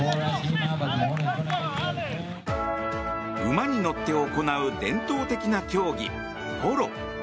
馬に乗って行う伝統的な競技ポロ。